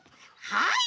はい！